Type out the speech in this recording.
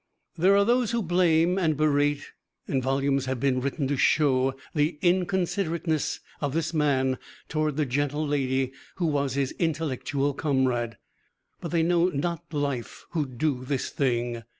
There are those who blame and berate; volumes have been written to show the inconsiderateness of this man toward the gentle lady who was his intellectual comrade. But they know not life who do this thing.